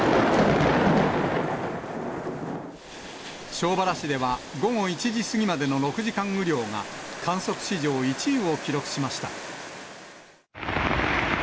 庄原市では、午後１時過ぎまでの６時間雨量が観測史上１位を記録しました。